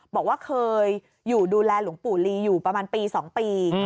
บอกว่าเคยอยู่ดูแลหลวงปู่ลีอยู่ประมาณปี๒ปี